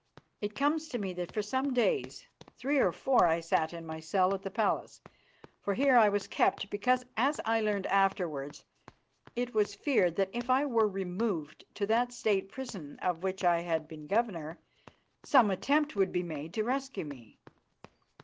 It comes to me that for some days, three or four, I sat in my cell at the palace, for here I was kept because, as I learned afterwards, it was feared that if I were removed to that State prison of which I had been governor, some attempt would be made to rescue me.